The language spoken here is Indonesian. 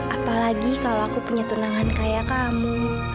apalagi kalau aku punya tunangan kayak kamu